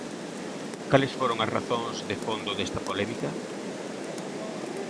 Cales foron as razóns de fondo desta polémica?